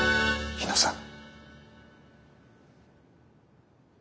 日野さん。